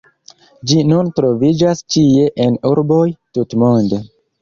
Ĝi nun troviĝas ĉie en urboj tutmonde.